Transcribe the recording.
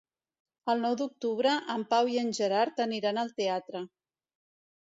El nou d'octubre en Pau i en Gerard aniran al teatre.